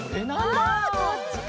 あこっちか！